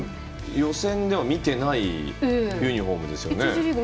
予選では見てないユニフォームですよね。